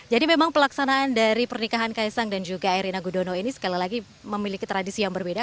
jadi memang pelaksanaan dari pernikahan kaesang dan juga erina gudono ini sekali lagi memiliki tradisi yang berbeda